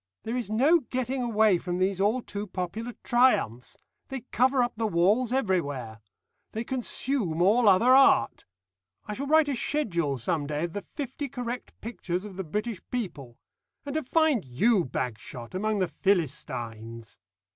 There is no getting away from these all too popular triumphs. They cover up the walls everywhere. They consume all other art. I shall write a schedule some day of the Fifty Correct Pictures of the British People. And to find you, Bagshot, among the Philistines!"